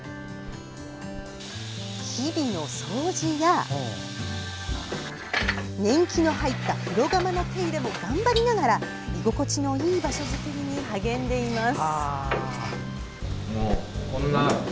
日々の掃除や、年季の入った風呂釜の手入れも頑張りながら居心地のいい場所作りに励んでいます。